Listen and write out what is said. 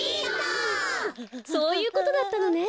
そういうことだったのね。